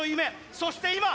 そして今！